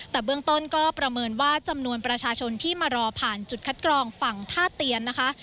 แต่เบื้องต้นก็ประเมินว่าจำนวนประชาชนที่มารอผ่านจุดคัดกรองฝั่งท่าเตียนนะคะ